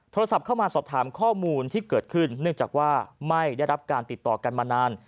โทรศัพท์เข้ามาสอบถามข้อมูลที่เกิดขึ้นเนื่องจากว่าไม่ได้รับการติดต่อกันมานาน